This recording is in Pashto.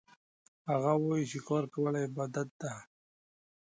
هغه وایي چې کار کول عبادت ده